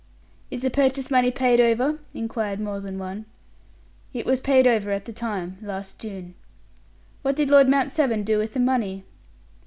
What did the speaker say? "Is the purchase money paid over?" inquired more than one. "It was paid over at the time last June." "What did Lord Mount Severn do with the money?"